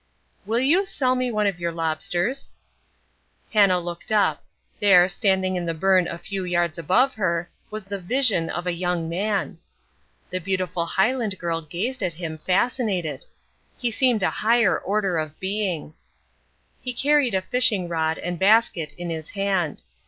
"Will you sell me one of your lobsters?" Hannah looked up. There, standing in the burn a few yards above her, was the vision of a young man. The beautiful Highland girl gazed at him fascinated. He seemed a higher order of being. He carried a fishing rod and basket in his hand.